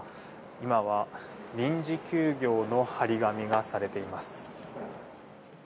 今は臨時休業の貼り紙がされています。